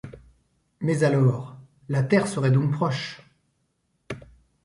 Mais alors… la terre serait donc proche !…